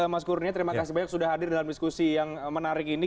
mas kurnia terima kasih banyak sudah hadir dalam diskusi yang menarik ini